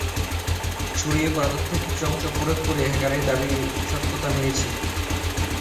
ছড়িয়ে পড়া তথ্যের কিছু অংশ পরখ করে হ্যাকারের দাবির সত্যতা মিলেছে।